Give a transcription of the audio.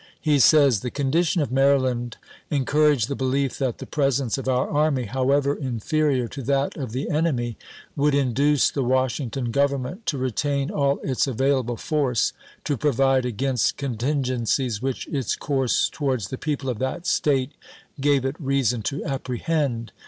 He says : The condition of Maryland encouraged the belief that the presence of our army, however inferior to that of the enemy, would induce the Washington Government to retain all its available force to provide against contingen cies which its course towards the people of that State gave it reason to apprehend.